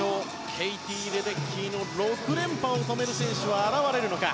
ケイティ・レデッキーの６連覇を止める選手は現れるのか。